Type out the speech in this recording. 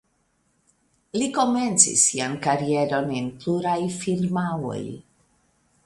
Li komencis sian karieron en pluraj firmaoj.